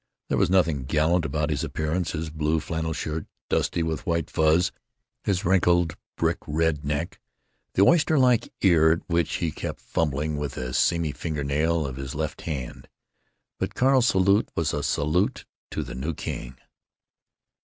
There was nothing gallant about his appearance—his blue flannel shirt dusty with white fuzz, his wrinkled brick red neck, the oyster like ear at which he kept fumbling with a seamy finger nail of his left hand. But Carl's salute was a salute to the new king.